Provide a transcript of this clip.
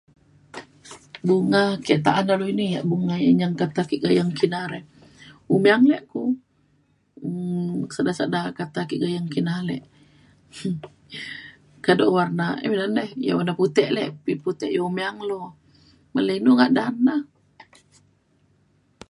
bunga ke ta’an dalau ini yak bunga nyeng kata ke gayeng kina re. umang ale ku um sedar sedar kata ke gayeng kina ale kado warna [unintelligible] warna putek lek tapi putek iu muyang lu melei inu ngadan na